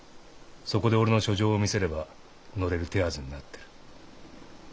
そこで俺の書状を見せれば乗れる手はずになってる。